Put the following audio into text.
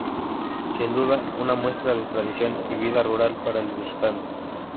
Sin duda, una muestra de tradición y vida rural para el visitante.